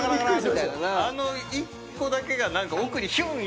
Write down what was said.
あの１個だけが何か奥にヒューン！